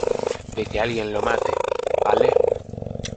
de que alguien lo mate. vale .